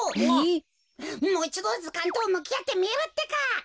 もういちどずかんとむきあってみるってか！